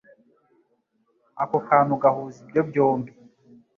Ako kantu Gahuza ibyo byombi